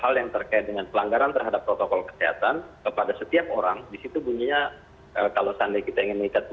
hal yang terkait dengan pelanggaran terhadap protokol kesehatan kepada setiap orang disitu bunyinya kalau seandainya kita ingin mengikat